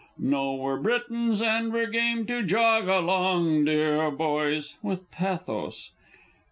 No! we're Britons, and we're game to jog along, deah boys! (_With pathos.